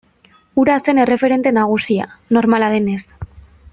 Hura zen erreferente nagusia, normala denez.